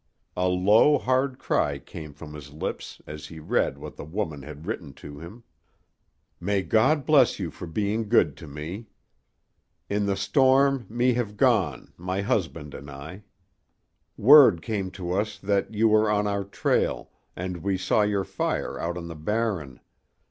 A low, hard cry came from his lips as he read what the woman had written to him: "May God bless you for being good to me. In the storm we have gone my husband and I. Word came to us that you were on our trail, and we saw your fire out on the Barren.